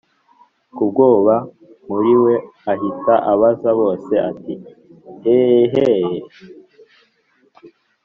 kubwoba muriwe ahita abaza boss ati”eeeehhhh